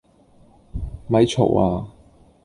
咪嘈呀！